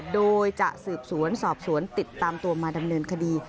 โดยจะสืบสวนสอบสวนติดตามตัวมาดำเนินคดี